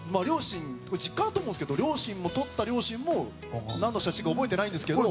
実家だと思うんですけど撮った両親も何の写真か覚えてないんですけど。